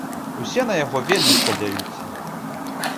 Усе на яго вельмі спадзяюцца.